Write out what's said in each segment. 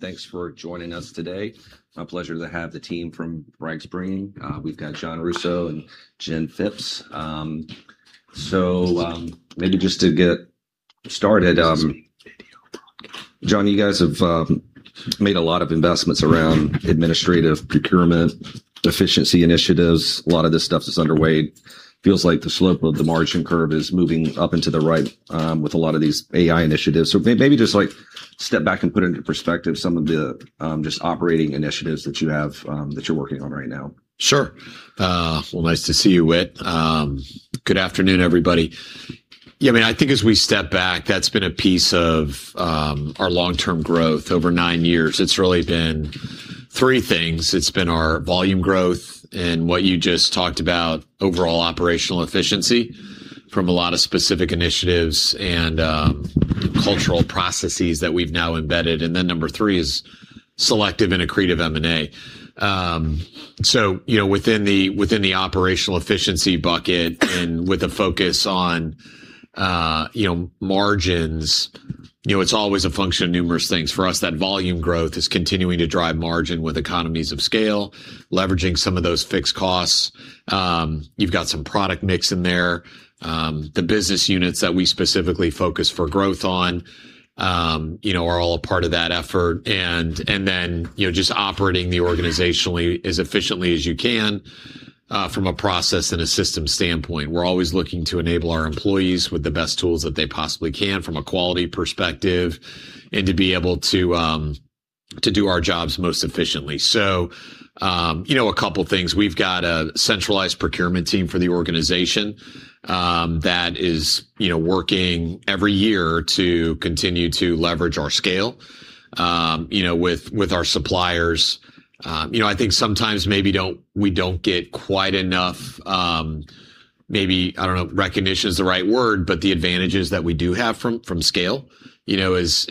Thanks for joining us today. My pleasure to have the team from BrightSpring. We've got Jon Rousseau and Jennifer Phipps. Maybe just to get started, Jon, you guys have made a lot of investments around administrative procurement efficiency initiatives. A lot of this stuff is underway. Feels like the slope of the margin curve is moving up into the right with a lot of these AI initiatives. Maybe just like step back and put into perspective some of the just operating initiatives that you have that you're working on right now. Sure. Well, nice to see you, Whit. Good afternoon, everybody. Yeah, I mean, I think as we step back, that's been a piece of our long-term growth over nine years. It's really been three things. It's been our volume growth and what you just talked about, overall operational efficiency from a lot of specific initiatives and cultural processes that we've now embedded. Number three is selective and accretive M&A. You know, within the operational efficiency bucket and with a focus on you know margins, you know, it's always a function of numerous things. For us, that volume growth is continuing to drive margin with economies of scale, leveraging some of those fixed costs. You've got some product mix in there. The business units that we specifically focus for growth on, you know, are all a part of that effort. You know, just operating organizationally as efficiently as you can, from a process and a system standpoint. We're always looking to enable our employees with the best tools that they possibly can from a quality perspective and to be able to do our jobs most efficiently. You know, a couple of things. We've got a centralized procurement team for the organization, that is, you know, working every year to continue to leverage our scale, you know, with our suppliers. You know, I think sometimes we don't get quite enough, maybe, I don't know if recognition is the right word, but the advantages that we do have from scale, you know, as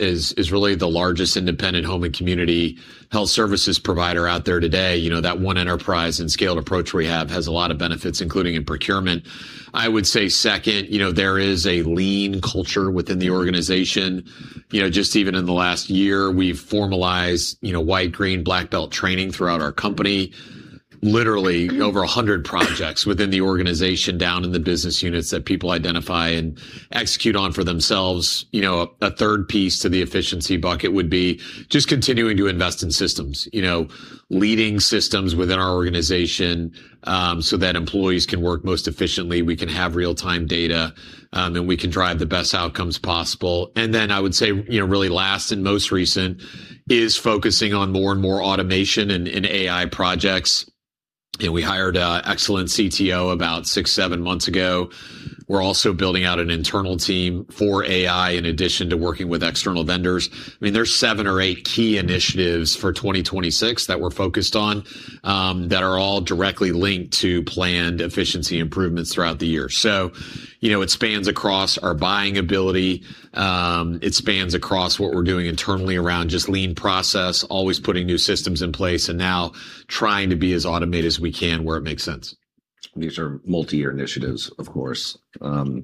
really the largest independent home and community health services provider out there today. You know, that one enterprise and scaled approach we have has a lot of benefits, including in procurement. I would say second, you know, there is a lean culture within the organization. You know, just even in the last year, we've formalized, you know, white, green, black belt training throughout our company. Literally over a 100 projects within the organization down in the business units that people identify and execute on for themselves. You know, a third piece to the efficiency bucket would be just continuing to invest in systems. You know, leading systems within our organization, so that employees can work most efficiently, we can have real-time data, and we can drive the best outcomes possible. I would say, you know, really last and most recent is focusing on more and more automation and AI projects. You know, we hired an excellent CTO about six, seven months ago. We're also building out an internal team for AI in addition to working with external vendors. I mean, there's seven or eight key initiatives for 2026 that we're focused on, that are all directly linked to planned efficiency improvements throughout the year. You know, it spans across our buying ability. It spans across what we're doing internally around just lean process, always putting new systems in place, and now trying to be as automated as we can where it makes sense. These are multi-year initiatives, of course. When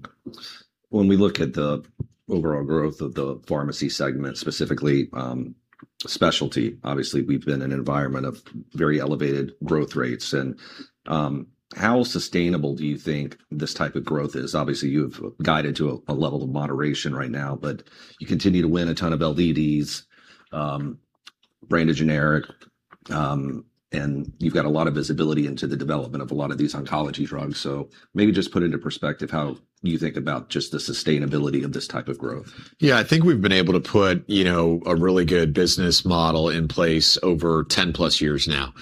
we look at the overall growth of the pharmacy segment, specifically, specialty, obviously we've been in an environment of very elevated growth rates. How sustainable do you think this type of growth is? Obviously, you've guided to a level of moderation right now, but you continue to win a ton of LDDs, brand and generic, and you've got a lot of visibility into the development of a lot of these oncology drugs. Maybe just put into perspective how you think about just the sustainability of this type of growth. Yeah. I think we've been able to put, you know, a really good business model in place over 10+ years now.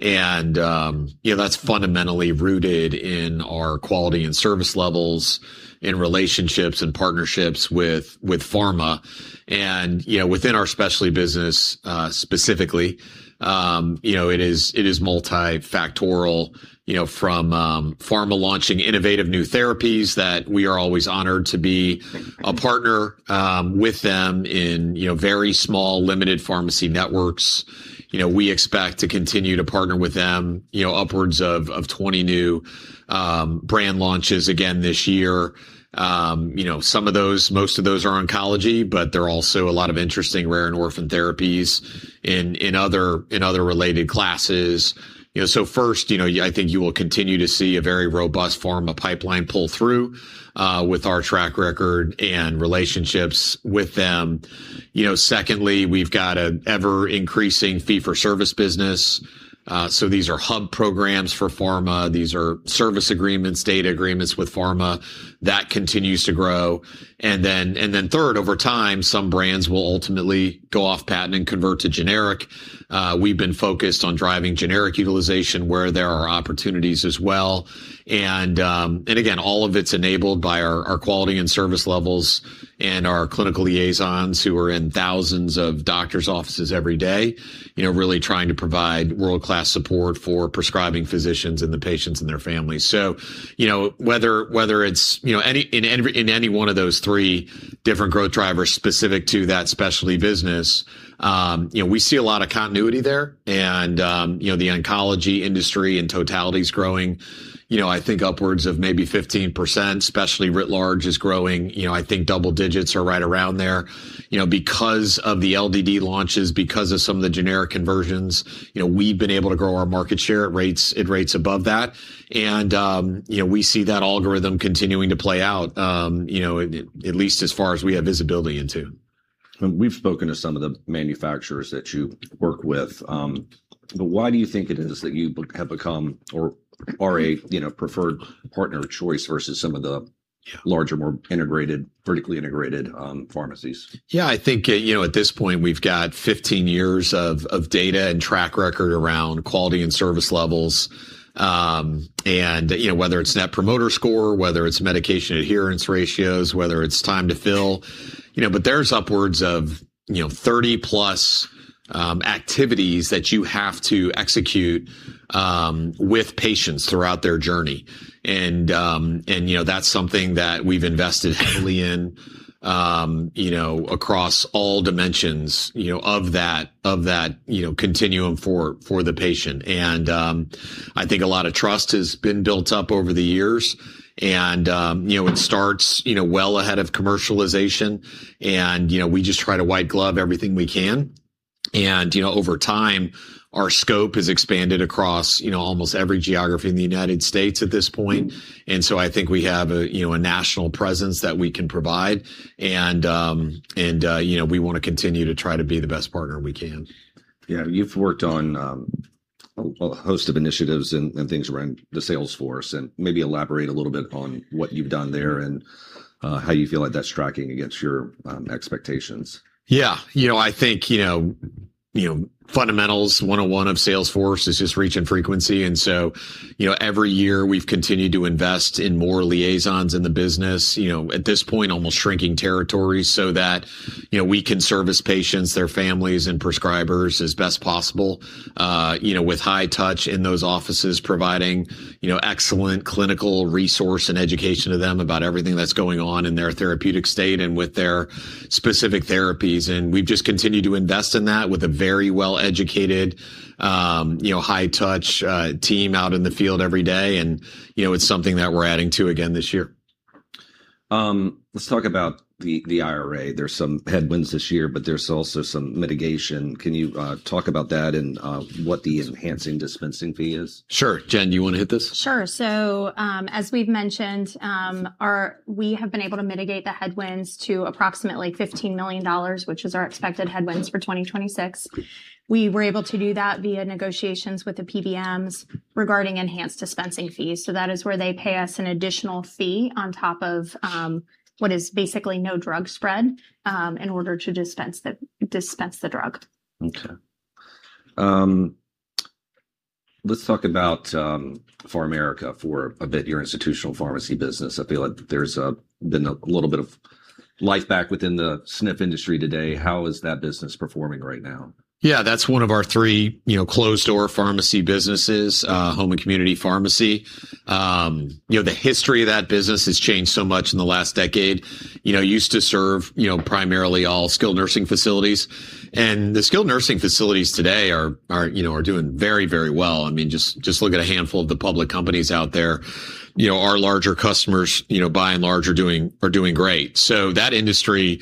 You know, that's fundamentally rooted in our quality and service levels, in relationships and partnerships with pharma and, you know, within our specialty business, specifically, you know, it is multifactorial, you know, from pharma launching innovative new therapies that we are always honored to be a partner with them in, you know, very small limited pharmacy networks. You know, we expect to continue to partner with them, you know, upwards of 20 new brand launches again this year. You know, some of those, most of those are oncology, but there are also a lot of interesting rare and orphan therapies in other related classes. You know, first, you know, I think you will continue to see a very robust pharma pipeline pull through with our track record and relationships with them. You know, secondly, we've got a ever-increasing fee-for-service business. These are hub programs for pharma. These are Service Agreements, Data Agreements with pharma. That continues to grow. And then third, over time, some brands will ultimately go off patent and convert to generic. We've been focused on driving generic utilization where there are opportunities as well. And again, all of it's enabled by our quality and service levels and our clinical liaisons who are in thousands of doctors' offices every day, you know, really trying to provide world-class support for prescribing physicians and the patients and their families. Whether it's in any one of those three different growth drivers specific to that specialty business, you know, we see a lot of continuity there and, you know, the oncology industry in totality is growing, you know, I think upwards of maybe 15%. Specialty writ large is growing, you know, I think double digits or right around there. You know, because of the LDD launches, because of some of the generic conversions, you know, we've been able to grow our market share at rates above that. You know, we see that algorithm continuing to play out, you know, at least as far as we have visibility into. We've spoken to some of the manufacturers that you work with, but why do you think it is that you have become or a, you know, preferred partner of choice versus some of the larger, more integrated, vertically integrated, pharmacies? Yeah, I think, you know, at this point, we've got 15 years of data and track record around quality and service levels, and, you know, whether it's Net Promoter Score, whether it's Medication Possession Ratios, whether it's time to fill, you know. There's upwards of, you know, 30+ activities that you have to execute with patients throughout their journey and, you know, that's something that we've invested heavily in, you know, across all dimensions, you know, of that continuum for the patient. I think a lot of trust has been built up over the years and, you know, it starts, you know, well ahead of commercialization and, you know, we just try to white glove everything we can. You know, over time, our scope has expanded across, you know, almost every geography in the United States at this point. I think we have a, you know, a national presence that we can provide and, you know, we wanna continue to try to be the best partner we can. Yeah. You've worked on a host of initiatives and things around the Salesforce, and maybe elaborate a little bit on what you've done there and how you feel like that's tracking against your expectations. Yeah. You know, I think, you know, fundamentals 101 of Salesforce is just reach and frequency. You know, every year, we've continued to invest in more liaisons in the business, you know, at this point, almost shrinking territories so that, you know, we can service patients, their families, and prescribers as best possible, you know, with high touch in those offices, providing, you know, excellent clinical resource and education to them about everything that's going on in their therapeutic state and with their specific therapies. We've just continued to invest in that with a very well-educated, you know, high touch, team out in the field every day. You know, it's something that we're adding to again this year. Let's talk about the IRA. There's some headwinds this year, but there's also some mitigation. Can you talk about that and what the enhanced dispensing fee is? Sure. Jen, do you wanna hit this? Sure. As we've mentioned, we have been able to mitigate the headwinds to approximately $15 million, which is our expected headwinds for 2026. We were able to do that via negotiations with the PBMs regarding enhanced dispensing fees. That is where they pay us an additional fee on top of what is basically no drug spread in order to dispense the drug. Okay. Let's talk about PharMerica for a bit, your institutional pharmacy business. I feel like there's been a little bit of life back within the SNF industry today. How is that business performing right now? Yeah. That's one of our three, you know, closed-door pharmacy businesses, Home & Community Pharmacy. You know, the history of that business has changed so much in the last decade. You know, used to serve, you know, primarily all Skilled Nursing facilities, and the Skilled Nursing facilities today are doing very, very well. I mean, just look at a handful of the public companies out there. You know, our larger customers, you know, by and large, are doing great. That industry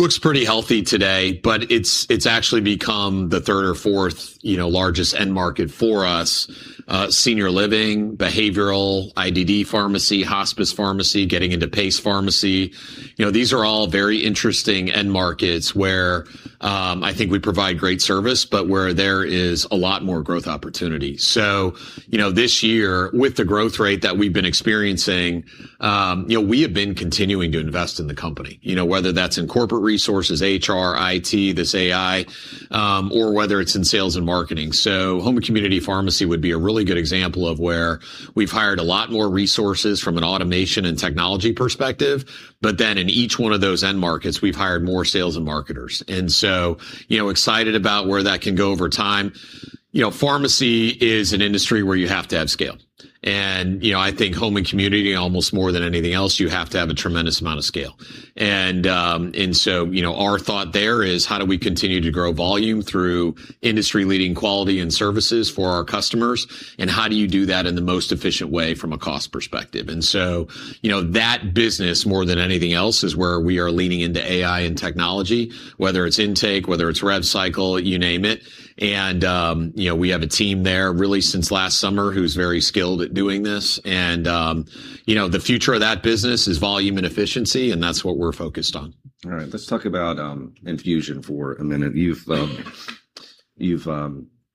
looks pretty healthy today, but it's actually become the third or fourth, you know, largest end market for us. Senior Living, Behavioral, IDD Pharmacy, Hospice Pharmacy, getting into PACE Pharmacy, you know, these are all very interesting end markets where I think we provide great service, but where there is a lot more growth opportunity. You know, this year, with the growth rate that we've been experiencing, you know, we have been continuing to invest in the company, you know, whether that's in corporate resources, HR, IT, this AI, or whether it's in sales and marketing. Home & Community Pharmacy would be a really good example of where we've hired a lot more resources from an automation and technology perspective, but then in each one of those end markets, we've hired more sales and marketers. You know, excited about where that can go over time. You know, pharmacy is an industry where you have to have scale. You know, I think home and community, almost more than anything else, you have to have a tremendous amount of scale. you know, our thought there is how do we continue to grow volume through industry-leading quality and services for our customers, and how do you do that in the most efficient way from a cost perspective? you know, that business, more than anything else, is where we are leaning into AI and technology, whether it's intake, whether it's rev cycle, you name it. you know, we have a team there really since last summer who's very skilled at doing this. you know, the future of that business is volume and efficiency, and that's what we're focused on. All right. Let's talk about infusion for a minute. You've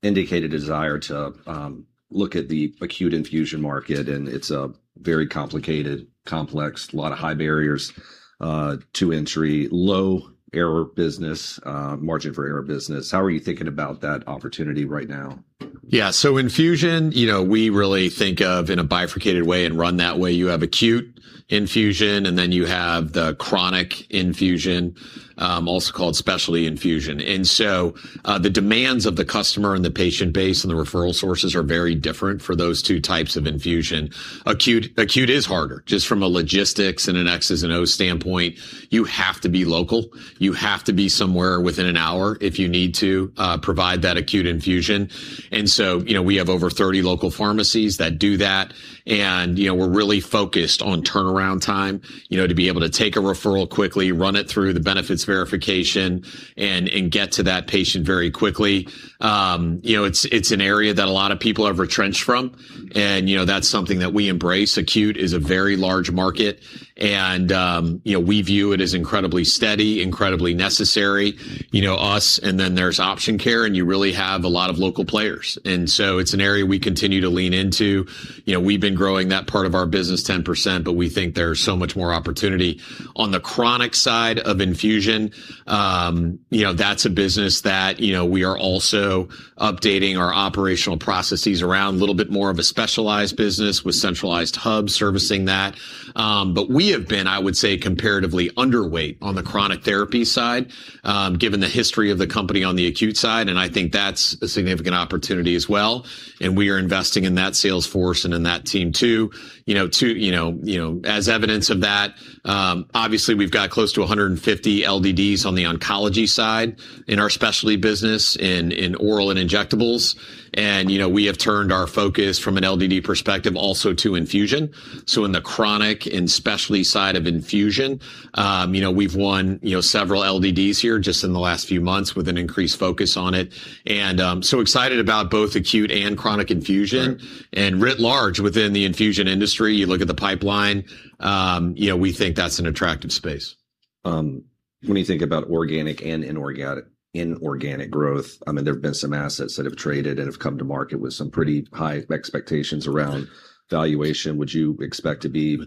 indicated desire to look at the acute infusion market. It's a very complicated, complex lot of high barriers to entry, low margin for error business. How are you thinking about that opportunity right now? Yeah. Infusion, you know, we really think of in a bifurcated way and run that way. You have acute infusion, and then you have the chronic infusion, also called Specialty Infusion. The demands of the customer and the patient base and the referral sources are very different for those two types of infusion. Acute is harder just from a logistics and an X's and O's standpoint. You have to be local. You have to be somewhere within an hour if you need to provide that acute infusion. You know, we have over 30 local pharmacies that do that. You know, we're really focused on turnaround time, you know, to be able to take a referral quickly, run it through the benefits verification, and get to that patient very quickly. You know, it's an area that a lot of people have retrenched from, and, you know, that's something that we embrace. Acute is a very large market, and, you know, we view it as incredibly steady, incredibly necessary. You know us, and then there's Option Care, and you really have a lot of local players. It's an area we continue to lean into. You know, we've been growing that part of our business 10%, but we think there's so much more opportunity. On the chronic side of infusion, you know, that's a business that, you know, we are also updating our operational processes around. A little bit more of a specialized business with centralized hubs servicing that. We have been, I would say, comparatively underweight on the chronic therapy side, given the history of the company on the acute side, and I think that's a significant opportunity as well. We are investing in that sales force and in that team too. You know, as evidence of that, obviously we've got close to 150 LDDs on the oncology side in our Specialty business in oral and injectables. You know, we have turned our focus from an LDD perspective also to infusion. In the chronic and specialty side of infusion, you know, we've won, you know, several LDDs here just in the last few months with an increased focus on it. Excited about both acute and chronic infusion. Writ large within the infusion industry, you look at the pipeline, you know, we think that's an attractive space. When you think about organic and inorganic growth, I mean, there have been some assets that have traded and have come to market with some pretty high expectations around valuation. Would you expect to be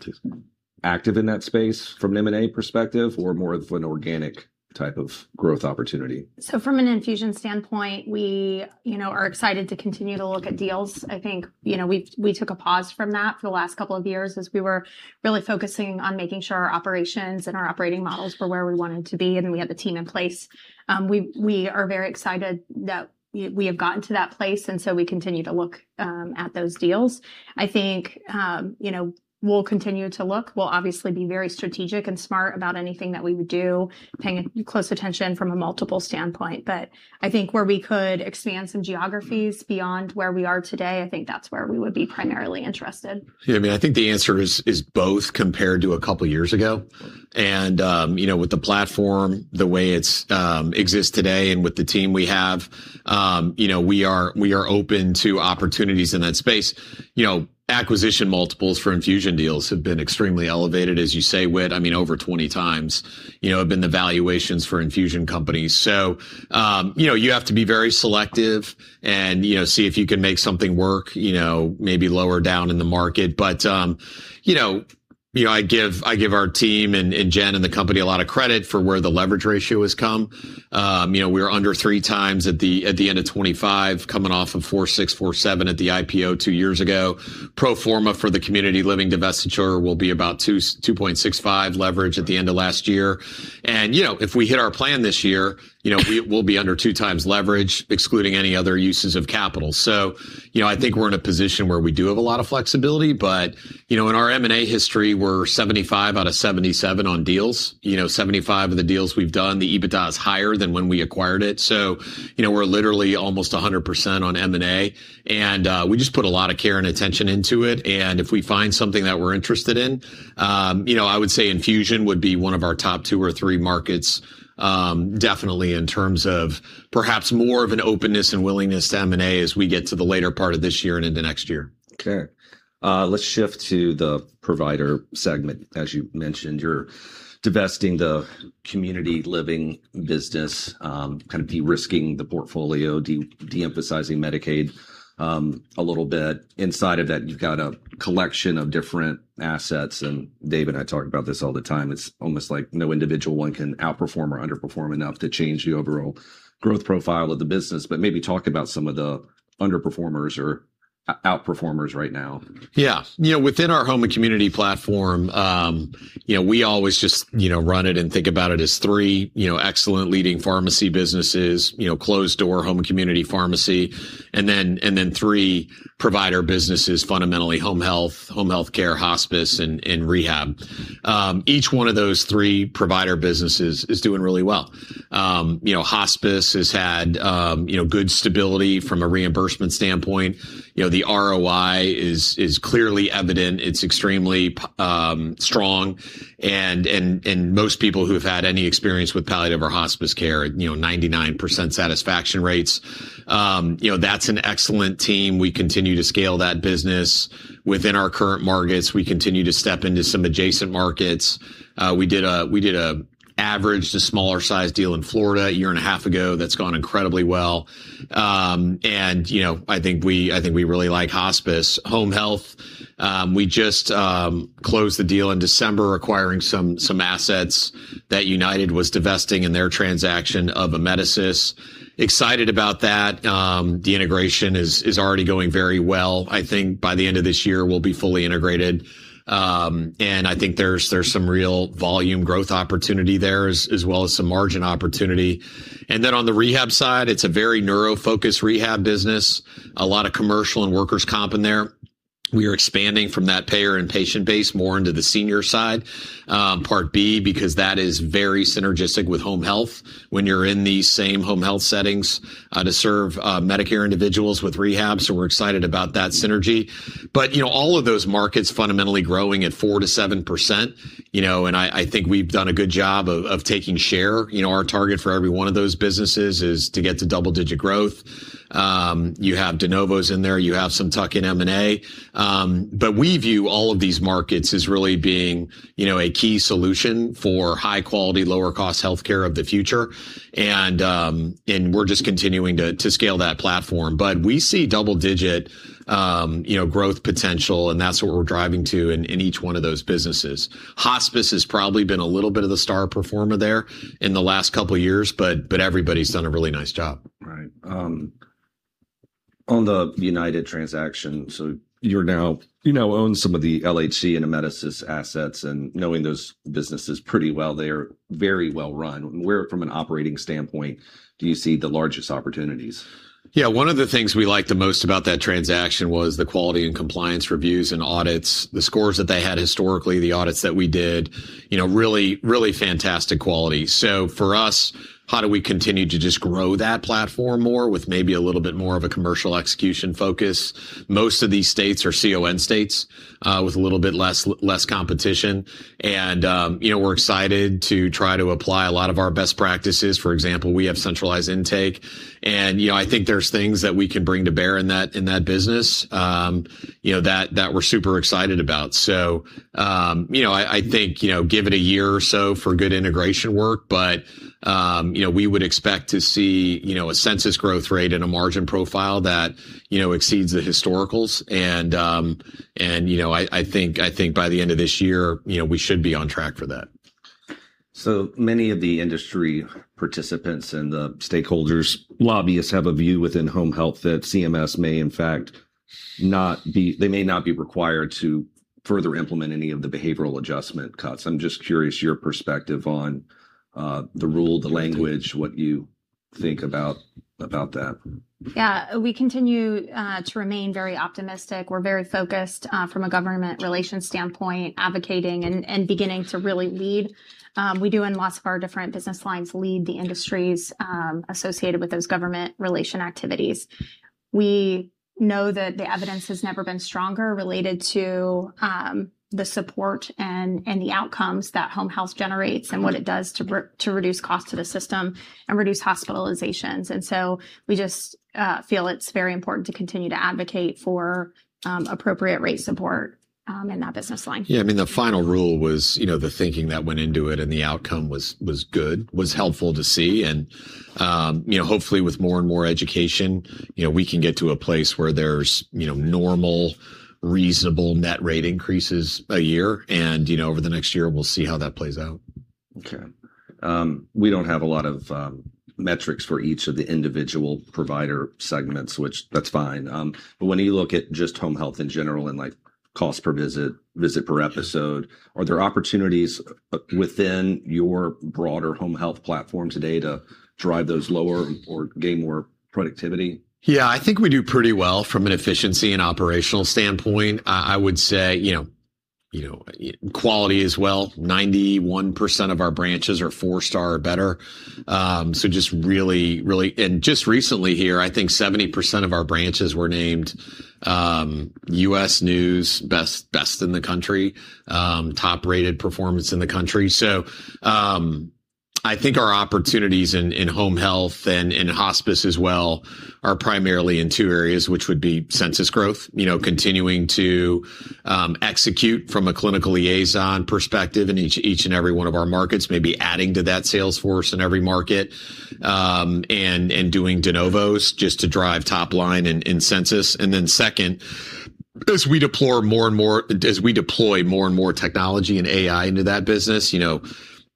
active in that space from an M&A perspective or more of an organic type of growth opportunity? From an infusion standpoint, we, you know, are excited to continue to look at deals. I think, you know, we took a pause from that for the last couple of years as we were really focusing on making sure our operations and our operating models were where we wanted to be, and we had the team in place. We are very excited that we have gotten to that place, and so we continue to look at those deals. I think, you know, we'll continue to look. We'll obviously be very strategic and smart about anything that we would do, paying close attention from a multiple standpoint. I think where we could expand some geographies beyond where we are today, I think that's where we would be primarily interested. Yeah, I mean, I think the answer is both compared to a couple years ago. You know, with the platform, the way it's exists today and with the team we have, you know, we are open to opportunities in that space. You know, acquisition multiples for infusion deals have been extremely elevated, as you say, Whit. I mean, over 20x, you know, have been the valuations for infusion companies. You know, you have to be very selective and, you know, see if you can make something work, you know, maybe lower down in the market. You know, I give our team and Jen and the company a lot of credit for where the leverage ratio has come. You know, we're under 3x at the end of 2025, coming off of 4.6, 4.7 at the IPO two years ago. Pro forma for the Community Living divestiture will be about 2.65x leverage at the end of last year. You know, if we hit our plan this year, you know, we will be under 2x leverage, excluding any other uses of capital. You know, I think we're in a position where we do have a lot of flexibility. You know, in our M&A history, we're 75 out of 77 on deals. You know, 75 of the deals we've done, the EBITDA is higher than when we acquired it. You know, we're literally almost 100% on M&A, and we just put a lot of care and attention into it. If we find something that we're interested in, you know, I would say infusion would be one of our top two or three markets, definitely in terms of perhaps more of an openness and willingness to M&A as we get to the later part of this year and into next year. Okay. Let's shift to the provider segment. As you mentioned, you're divesting the Community Living business, kind of de-risking the portfolio, de-emphasizing Medicaid, a little bit. Inside of that, you've got a collection of different assets, and Dave and I talk about this all the time. It's almost like no individual one can outperform or underperform enough to change the overall growth profile of the business. Maybe talk about some of the underperformers or outperformers right now. Yeah. You know, within our home and community platform, you know, we always just, you know, run it and think about it as three, you know, excellent leading pharmacy businesses, you know, closed-door Home & Community Pharmacy, and then three provider businesses, fundamentally Home Health, Home Healthcare, Hospice, and Rehab. Each one of those three provider businesses is doing really well. You know, Hospice has had good stability from a reimbursement standpoint. You know, the ROI is clearly evident. It's extremely strong and most people who have had any experience with palliative or Hospice care, you know, 99% satisfaction rates. You know, that's an excellent team. We continue to scale that business within our current markets. We continue to step into some adjacent markets. We did an average to smaller size deal in Florida 1.5 year ago that's gone incredibly well. You know, I think we really like Hospice. Home Health, we just closed the deal in December, acquiring some assets that United was divesting in their transaction of Amedisys. Excited about that. The integration is already going very well. I think by the end of this year, we'll be fully integrated. I think there's some real volume growth opportunity there as well as some margin opportunity. On the Rehab side, it's a very neuro-focused Rehab business, a lot of commercial and workers' comp in there. We are expanding from that payer and patient base more into the senior side, Part B, because that is very synergistic with Home Health when you're in these same Home Health settings, to serve Medicare individuals with Rehab. We're excited about that synergy. You know, all of those markets fundamentally growing at 4%-7%, you know, and I think we've done a good job of taking share. You know, our target for every one of those businesses is to get to double-digit growth. You have de novos in there, you have some tuck-in M&A. We view all of these markets as really being, you know, a key solution for high-quality, lower-cost healthcare of the future, and we're just continuing to scale that platform. We see double-digit, you know, growth potential, and that's what we're driving to in each one of those businesses. Hospice has probably been a little bit of the star performer there in the last couple years, but everybody's done a really nice job. Right. On the United transaction, you now own some of the LHC and Amedisys assets, and knowing those businesses pretty well, they are very well run. Where, from an operating standpoint, do you see the largest opportunities? Yeah, one of the things we like the most about that transaction was the quality and compliance reviews and audits. The scores that they had historically, the audits that we did, you know, really, really fantastic quality. For us, how do we continue to just grow that platform more with maybe a little bit more of a commercial execution focus? Most of these states are CON states with a little bit less competition. You know, we're excited to try to apply a lot of our best practices. For example, we have centralized intake, and, you know, I think there's things that we can bring to bear in that business that we're super excited about. You know, I think, you know, give it a year or so for good integration work, but you know, we would expect to see, you know, a census growth rate and a margin profile that, you know, exceeds the historicals. You know, I think by the end of this year, you know, we should be on track for that. Many of the industry participants and the stakeholders, lobbyists have a view within Home Health that CMS may in fact not be required to further implement any of the behavioral adjustment cuts. I'm just curious your perspective on the rule, the language, what you think about that. Yeah. We continue to remain very optimistic. We're very focused from a government relations standpoint, advocating and beginning to really lead. We do in lots of our different business lines lead the industries associated with those government relations activities. We know that the evidence has never been stronger related to the support and the outcomes that Home Health generates and what it does to reduce cost to the system and reduce hospitalizations. We just feel it's very important to continue to advocate for appropriate rate support in that business line. Yeah, I mean, the final rule was, you know, the thinking that went into it and the outcome was good, was helpful to see. Hopefully with more and more education, you know, we can get to a place where there's, you know, normal, reasonable net rate increases a year and, you know, over the next year we'll see how that plays out. Okay. We don't have a lot of metrics for each of the individual provider segments, which that's fine. When you look at just Home Health in general and like cost per visit per episode, are there opportunities within your broader Home Health platform today to drive those lower or gain more productivity? Yeah. I think we do pretty well from an efficiency and operational standpoint. I would say, you know, quality as well, 91% of our branches are four-star or better. So just really. Just recently here, I think 70% of our branches were named U.S. News Best in the country, top rated performance in the country. So I think our opportunities in Home Health and in Hospice as well are primarily in two areas, which would be census growth. You know, continuing to execute from a clinical liaison perspective in each and every one of our markets, maybe adding to that sales force in every market, and doing de novos just to drive top line in census. Second, as we deploy more and more technology and AI into that business, you know,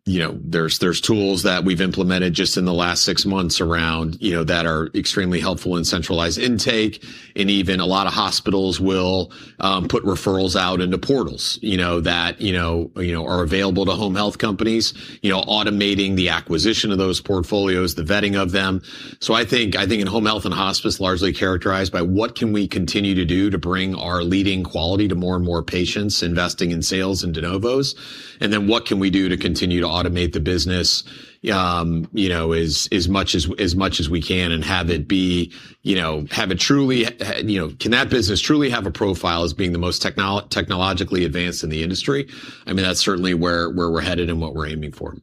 there's tools that we've implemented just in the last six months around, you know, that are extremely helpful in centralized intake, and even a lot of hospitals will put referrals out into portals, you know, that are available to Home Health companies. You know, automating the acquisition of those portfolios, the vetting of them. I think in Home Health and Hospice largely characterized by what can we continue to do to bring our leading quality to more and more patients investing in sales and de novos. What can we do to continue to automate the business, you know, as much as we can and have it be, you know, have it truly, you know, can that business truly have a profile as being the most technologically advanced in the industry? I mean, that's certainly where we're headed and what we're aiming for.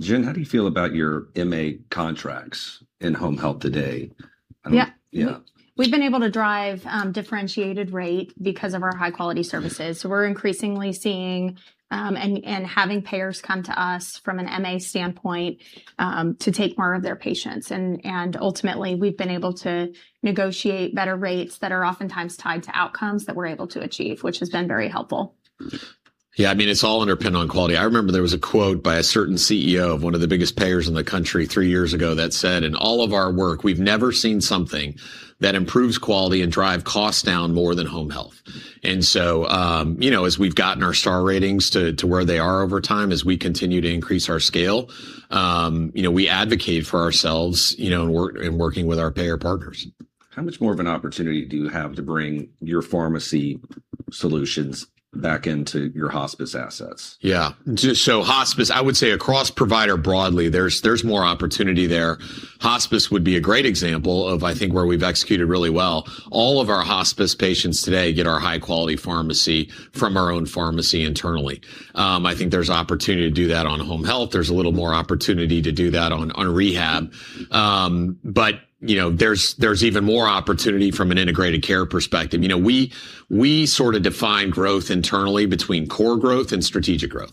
Jen, how do you feel about your MA contracts in Home Health today? Yeah. We've been able to drive differentiated rate because of our high-quality services, so we're increasingly seeing and having payers come to us from an MA standpoint to take more of their patients. Ultimately, we've been able to negotiate better rates that are oftentimes tied to outcomes that we're able to achieve, which has been very helpful. Yeah. I mean, it's all underpinned on quality. I remember there was a quote by a certain CEO of one of the biggest payers in the country three years ago that said, "In all of our work, we've never seen something that improves quality and drive costs down more than Home Health." You know, as we've gotten our star ratings to where they are over time, as we continue to increase our scale, you know, we advocate for ourselves in working with our payer partners. How much more of an opportunity do you have to bring your pharmacy solutions back into your Hospice assets? Yeah. Hospice, I would say across providers broadly, there's more opportunity there. Hospice would be a great example of, I think, where we've executed really well. All of our Hospice patients today get our high-quality pharmacy from our own pharmacy internally. I think there's opportunity to do that on Home Health. There's a little more opportunity to do that on Rehab. You know, there's even more opportunity from an Integrated Care perspective. You know, we sort of define growth internally between core growth and strategic growth.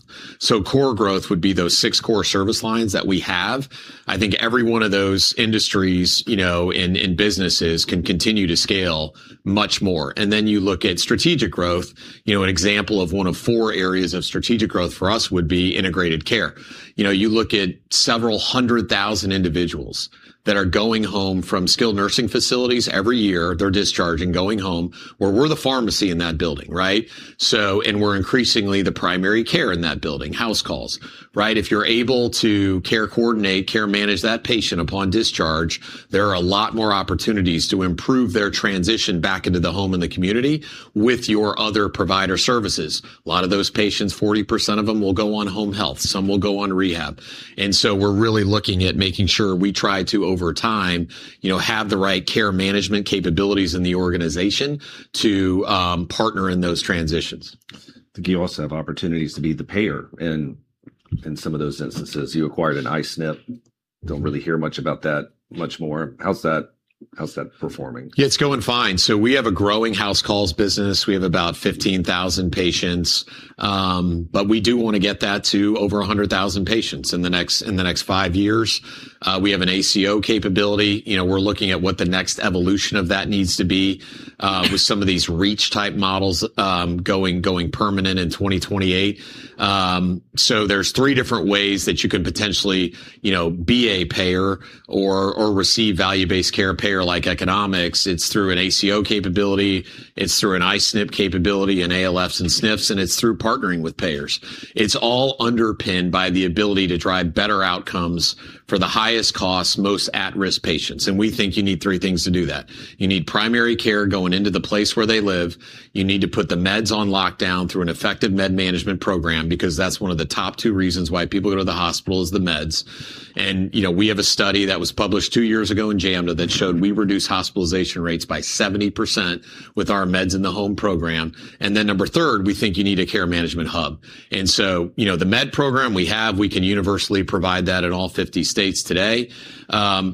Core growth would be those six core service lines that we have. I think every one of those industries, you know, and businesses can continue to scale much more. You look at strategic growth, you know, an example of one of four areas of strategic growth for us would be Integrated Care. You know, you look at several 100,000 individuals that are going home from Skilled Nursing facilities every year. They're discharging, going home, where we're the pharmacy in that building, right? We're increasingly the Primary Care in that building, house calls, right? If you're able to care coordinate, care manage that patient upon discharge, there are a lot more opportunities to improve their transition back into the home and the community with your other provider services. A lot of those patients, 40% of them will go on Home Health, some will go on Rehab. We're really looking at making sure we try to, over time, you know, have the right care management capabilities in the organization to partner in those transitions. Do you also have opportunities to be the payer? In some of those instances, you acquired an I-SNF. Don't really hear much about that much more. How's that performing? Yeah, it's going fine. We have a growing house calls business. We have about 15,000 patients, but we do wanna get that to over 100,000 patients in the next five years. We have an ACO capability. You know, we're looking at what the next evolution of that needs to be, with some of these REACH-type models going permanent in 2028. There's three different ways that you can potentially, you know, be a payer or receive value-based care payer-like economics. It's through an ACO capability, it's through an I-SNF capability and ALFs and SNFs, and it's through partnering with payers. It's all underpinned by the ability to drive better outcomes for the highest cost, most at-risk patients, and we think you need three things to do that. You need Primary Care going into the place where they live. You need to put the meds on lockdown through an effective med management program because that's one of the top two reasons why people go to the hospital is the meds. You know, we have a study that was published two years ago in JAMA that showed we reduce hospitalization rates by 70% with our meds in the home program. Then number third, we think you need a care management hub. You know, the med program we have, we can universally provide that in all 50 states today.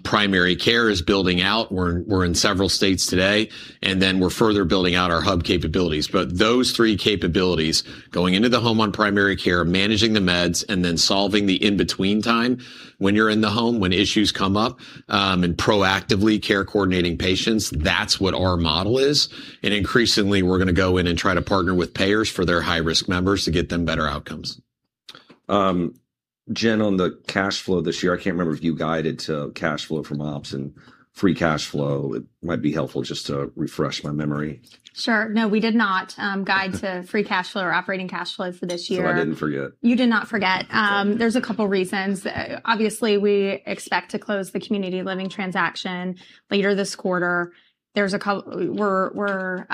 Primary Care is building out. We're in several states today, and then we're further building out our hub capabilities. Those three capabilities, going into the Home on Primary Care, managing the meds, and then solving the in-between time when you're in the home, when issues come up, and proactively care coordinating patients, that's what our model is. Increasingly, we're gonna go in and try to partner with payers for their high-risk members to get them better outcomes. Jen, on the cash flow this year, I can't remember if you guided to cash flow from ops and free cash flow. It might be helpful just to refresh my memory. Sure. No, we did not guide to free cash flow or operating cash flow for this year. I didn't forget. You did not forget. There's a couple reasons. Obviously, we expect to close the Community Living transaction later this quarter. We're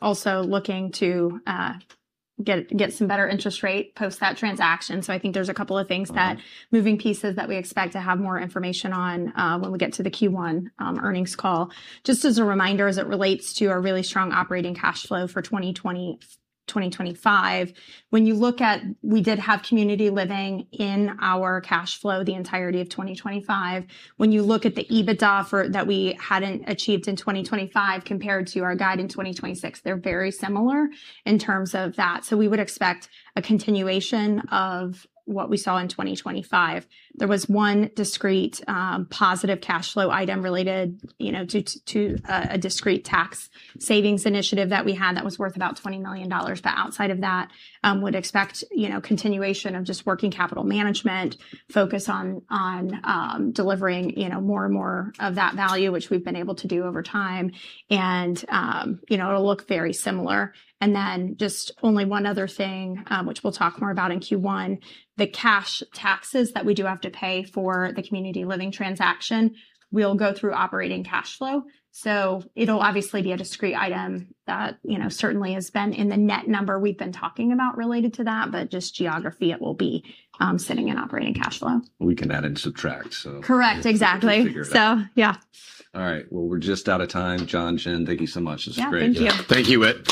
also looking to get some better interest rate post that transaction. I think there's a couple of things that, moving pieces that we expect to have more information on, when we get to the Q1 Earnings Call. Just as a reminder, as it relates to our really strong operating cash flow for 2025, when you look at, we did have Community Living in our cash flow the entirety of 2025. When you look at the EBITDA that we hadn't achieved in 2025 compared to our guide in 2026, they're very similar in terms of that. We would expect a continuation of what we saw in 2025. There was one discrete positive cash flow item related, you know, due to a discrete tax savings initiative that we had that was worth about $20 million. Outside of that, would expect, you know, continuation of just working capital management, focus on delivering, you know, more and more of that value, which we've been able to do over time and, you know, it'll look very similar. Just only one other thing, which we'll talk more about in Q1, the cash taxes that we do have to pay for the Community Living transaction will go through operating cash flow. It'll obviously be a discrete item that, you know, certainly has been in the net number we've been talking about related to that. Just geography, it will be sitting in operating cash flow. We can add and subtract, so. Correct. Exactly. We can figure it out. Yeah. All right. Well, we're just out of time. Jon, Jen, thank you so much. This was great. Yeah. Thank you. Thank you, Whit.